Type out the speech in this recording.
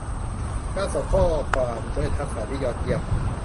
การส่งข้อความด้วยทักษะที่ยอดเยี่ยม